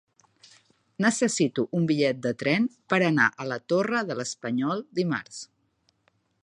Necessito un bitllet de tren per anar a la Torre de l'Espanyol dimarts.